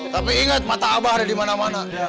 tapi ingat mata abah ada di mana mana